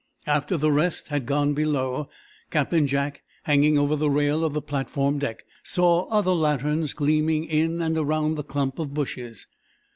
After the rest had gone below, Captain Jack, hanging over the rail of the platform deck, saw other lanterns gleaming in and around the clump of bushes.